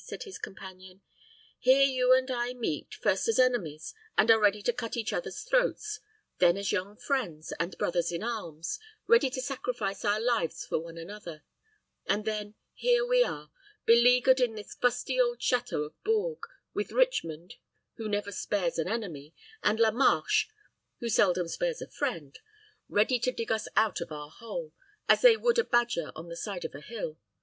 said his companion. "Here you and I meet, first as enemies, and are ready to cut each others throats; then as young friends and brothers in arms, ready to sacrifice our lives for one another; and then here we are, beleaguered in this fusty old château of Bourges, with Richmond, who never spares an enemy, and La Marche, who seldom spares a friend, ready to dig us out of our hole, as they would a badger on the side of a hill.